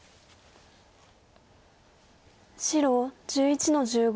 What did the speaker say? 白１１の十五。